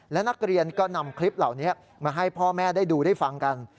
และนักเรียนก็นำคลิปเหล่านี้มาให้พ่อแม่ได้ดูได้ฟังกัน